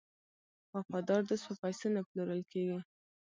وفادار دوست په پیسو نه پلورل کیږي.